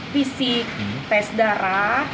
fisik tes darah